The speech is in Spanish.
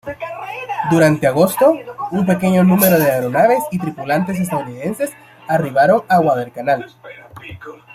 Durante agosto, un pequeño número de aeronaves y tripulantes estadounidenses arribaron a Guadalcanal.